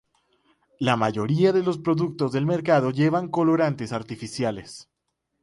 La mayoría de los productos del mercado llevan colorantes artificiales.